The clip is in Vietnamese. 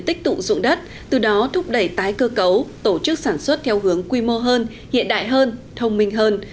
tích tụ dụng đất từ đó thúc đẩy tái cơ cấu tổ chức sản xuất theo hướng quy mô hơn hiện đại hơn thông minh hơn